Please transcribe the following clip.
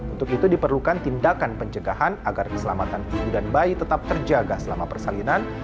untuk itu diperlukan tindakan pencegahan agar keselamatan ibu dan bayi tetap terjaga selama persalinan